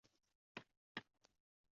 秦时改称乌程县。